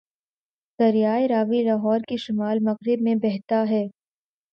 دریائے راوی لاہور کے شمال مغرب میں بہتا ہے